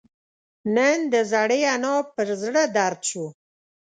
نن د زړې انا پر زړه دړد شو